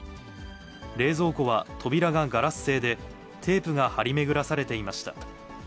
冷蔵庫は扉がガラス製で、テープが張り巡らされていました。